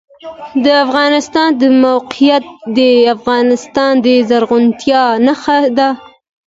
د افغانستان د موقعیت د افغانستان د زرغونتیا نښه ده.